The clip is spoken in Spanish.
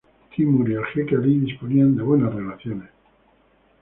Timur y el jeque Ali disponían de buenas relaciones.